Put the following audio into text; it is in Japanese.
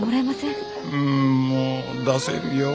うんもう出せるよ。